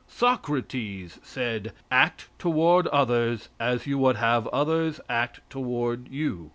Socrates said: "Act toward others as you would have others act toward you.